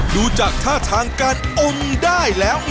ดูจากท่าทางการอมได้แล้ว